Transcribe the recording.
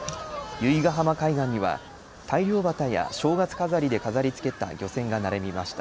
由比ヶ浜海岸には大漁旗や正月飾りで飾りつけた漁船が並びました。